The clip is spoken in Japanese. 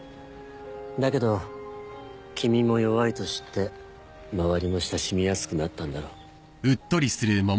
だけど君も弱いと知って周りも親しみやすくなったんだろう。